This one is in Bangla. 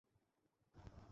আমার সাথে ঘুমিও।